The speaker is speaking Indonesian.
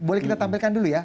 boleh kita tampilkan dulu ya